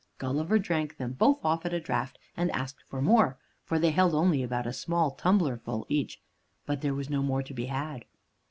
Gulliver drank them both off at a draught, and asked for more, for they held only about a small tumblerful each. But there was no more to be had.